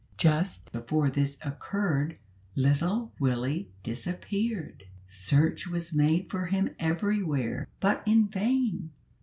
Just before this occurred little Willie disappeared. Search was made for him everywhere, but in vain.